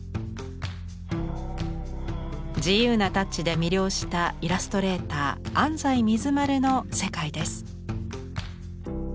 自由なタッチで魅了したイラストレーター安西水丸の世界です。